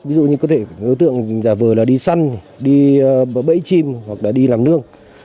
ví dụ như có thể đối tượng giả vờ là đi săn đi bẫy chim hoặc là đi làm nương